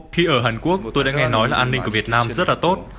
khi ở hàn quốc tôi đã nghe nói là an ninh của việt nam rất là tốt